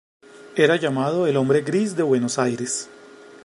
Era llamado "El hombre gris de Buenos Aires".